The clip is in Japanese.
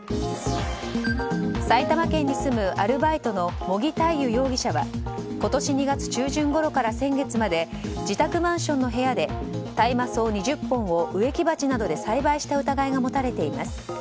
埼玉県に住むアルバイトの茂木大勇容疑者は今年２月中旬ごろから先月まで自宅マンションの部屋で大麻草２０本を植木鉢などで栽培した疑いが持たれています。